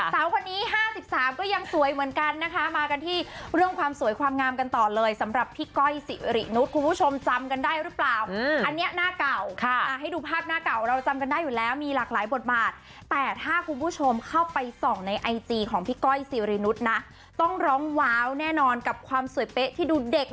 สาวคนนี้๕๓ก็ยังสวยเหมือนกันนะคะมากันที่เรื่องความสวยความงามกันต่อเลยสำหรับพี่ก้อยสิรินุษย์คุณผู้ชมจำกันได้หรือเปล่าอันนี้หน้าเก่าให้ดูภาพหน้าเก่าเราจำกันได้อยู่แล้วมีหลากหลายบทบาทแต่ถ้าคุณผู้ชมเข้าไปส่องในไอจีของพี่ก้อยสิรินุษย์นะต้องร้องว้าวแน่นอนกับความสวยเป๊ะที่ดูเด็ก